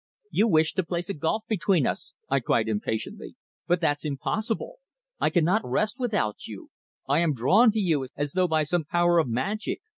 "You wish to place a gulf between us," I cried impatiently. "But that's impossible. I cannot rest without you; I am drawn to you as though by some power of magic.